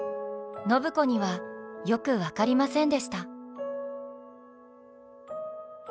暢子にはよく分かりませんでした。